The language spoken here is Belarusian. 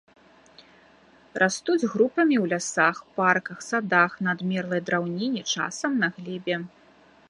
Растуць групамі ў лясах, парках, садах на адмерлай драўніне, часам на глебе.